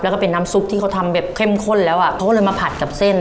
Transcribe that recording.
แล้วก็เป็นน้ำซุปที่เขาทำแบบเข้มข้นแล้วอ่ะเขาก็เลยมาผัดกับเส้น